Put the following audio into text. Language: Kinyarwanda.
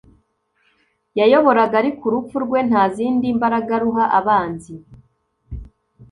yayoboraga ariko urupfu rwe nta zindi mbaraga ruha abanzi.